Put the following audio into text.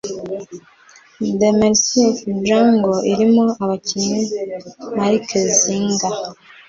‘The Mercy of the Jungle’ irimo abakinnyi Marc Zinga